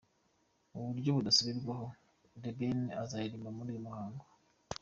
Mu buryo budasubirwaho, The Ben azaririmba muri uyu muhango.